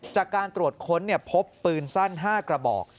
จากการตรวจค้นพบปืนสั้น๕กระบอก